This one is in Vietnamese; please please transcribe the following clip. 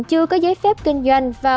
chưa có giấy phép kinh doanh và